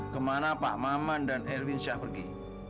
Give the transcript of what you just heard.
kemana pak maman dan erwin syah pergi